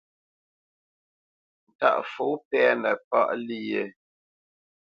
Ntaʼfo pɛ́nə páʼ lyé?